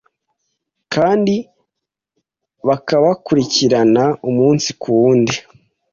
kandi bakabakurikirana umunsi kuwundi